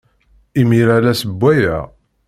Imir-a, la ssewwayeɣ.